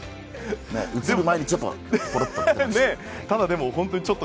映る前にぽろっと。